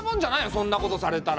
そんなことされたら。